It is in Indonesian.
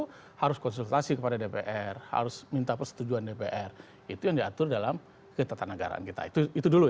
itu harus konsultasi kepada dpr harus minta persetujuan dpr itu yang diatur dalam ketatanegaraan kita itu dulu